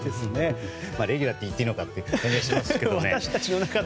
レギュラーと言っていいのかという感じがしますけど。